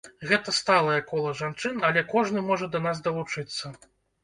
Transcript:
Гэта сталае кола жанчын, але кожны можа да нас далучыцца.